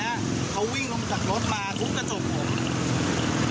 แล้วอันนี้เขาวิ่งลงจากรถมาทุกกระจกผม